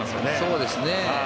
そうですね。